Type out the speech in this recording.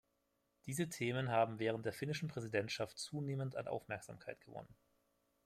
Diese Themen haben während der finnischen Präsidentschaft zunehmend an Aufmerksamkeit gewonnen.